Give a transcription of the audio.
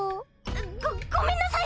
ごごめんなさい！